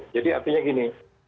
jadi artinya gini